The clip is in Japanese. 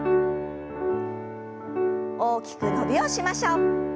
大きく伸びをしましょう。